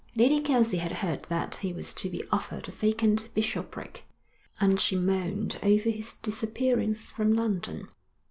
Lady Kelsey had heard that he was to be offered a vacant bishopric, and she mourned over his disappearance from London.